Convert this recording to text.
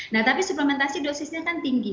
nah tapi suplementasi dosisnya kan tinggi